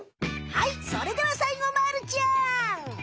はいそれではさいごまるちゃん！